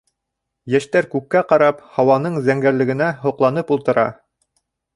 Йәштәр күккә ҡарап, һауаның зәңгәрлегенә һоҡланып ултыра.